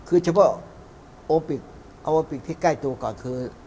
เอาโอลิมปิกที่ใกล้ตัวก่อนคือ